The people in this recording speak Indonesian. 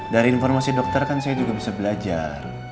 dari informasi dokter kan saya juga bisa belajar